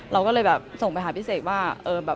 เราก็เลยแบบส่งไปหาพี่เสกว่า